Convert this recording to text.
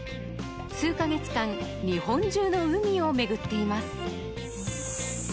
数カ月間日本中の海を巡っています